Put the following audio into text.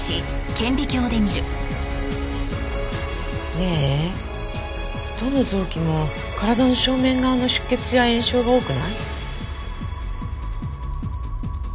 ねえどの臓器も体の正面側の出血や炎症が多くない？